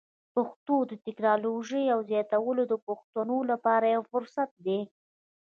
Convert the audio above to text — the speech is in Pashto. پښتو ته د ټکنالوژۍ ور زیاتول د پښتنو لپاره یو فرصت دی.